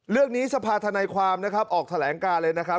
เรื่องนี้สะพาดธนายความนะครับออกแถลงการเลยนะครับ